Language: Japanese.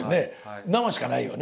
生しかないよね？